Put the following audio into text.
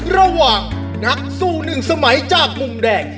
ระหว่างนักสู้หนึ่งสมัยจากมุมแดง